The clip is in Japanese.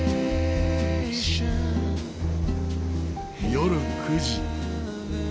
夜９時。